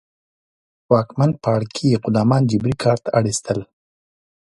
واکمن پاړکي غلامان جبري کار ته اړ اېستل.